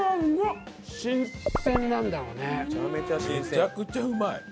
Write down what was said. めちゃくちゃうまい！